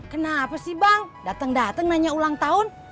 kenapa sih bang dateng dateng nanya ulang tahun